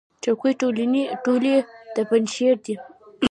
چوکۍ ټولې د پنجشیر دي.